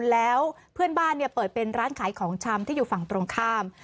แล้วเพื่อนบ้านเปิดเป็นร้านขายของชำที่อยู่ฝั่งตรงข้าม